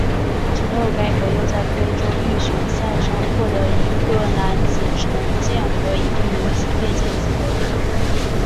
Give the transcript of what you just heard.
之后该国又在非洲预选赛上获得一个男子重剑和一个女子佩剑资格。